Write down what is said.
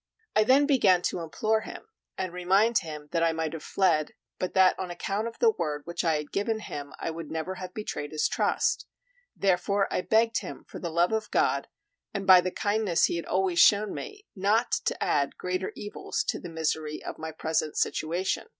I then began to implore him, and remind him that I might have fled, but that on account of the word which I had given him I would never have betrayed his trust; therefore I begged him for the love of God, and by the kindness he had always shown me, not to add greater evils to the misery of my present situation.